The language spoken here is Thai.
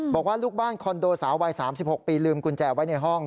บอกว่าลูกบ้านคอนโดสาววัย๓๖ปีลืมกุญแจไว้ในห้อง